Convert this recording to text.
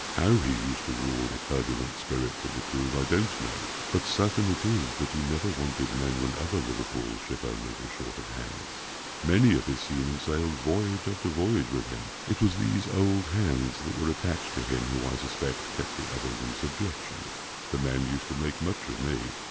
How he used to rule the turbulent spirits of his crews I don't know, but certain it is that he never wanted men when other Liverpool ship owners were short of hands. Many of his seamen sailed voyage after voyage with him. It was these old hands that were attached to him who I suspect kept the others in subjection. The men used to make much of me.